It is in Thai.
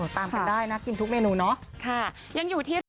ตามไปได้นะกินทุกเมนูเนาะ